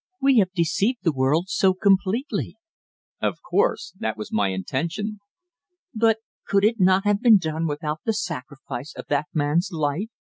We have deceived the world so completely." "Of course. That was my intention." "But could it not have been done without the sacrifice of that man's life?"